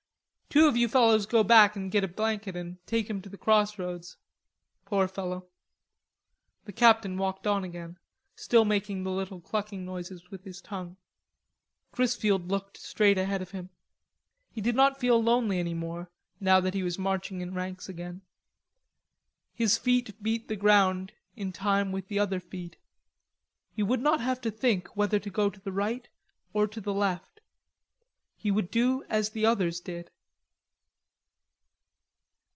"Two of you fellows go back and git a blanket and take him back to the cross roads. Poor fellow." The captain walked on again, still making little clucking noises with his tongue. Chrisfield looked straight ahead of him. He did not feel lonely any more now that he was marching in ranks again. His feet beat the ground in time with the other feet. He would not have to think whether to go to the right or to the left. He would do as the others did.